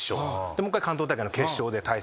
もう１回関東大会の決勝で対戦して。